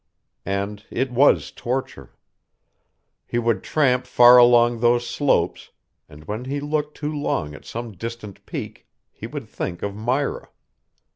And it was torture. He would tramp far along those slopes and when he looked too long at some distant peak he would think of Myra.